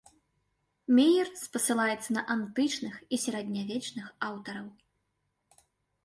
Меер спасылаецца на антычных і сярэднявечных аўтараў.